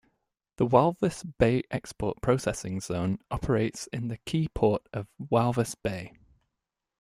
The Walvis Bay Export Processing Zone operates in the key port of Walvis Bay.